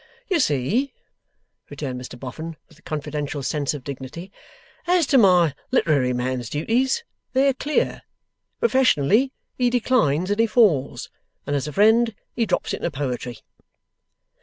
'You see,' returned Mr Boffin, with a confidential sense of dignity, 'as to my literary man's duties, they're clear. Professionally he declines and he falls, and as a friend he drops into poetry.